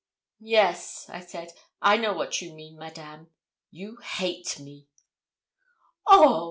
'Yes,' I said; 'I know what you mean, Madame you hate me.' 'Oh!